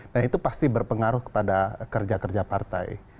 nah itu pasti berpengaruh kepada kerja kerja partai